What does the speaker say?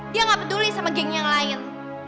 dia nggak peduli sama geng yang lain